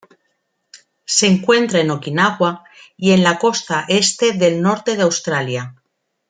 Se encuentra en Okinawa y en la costa este del norte de Australia.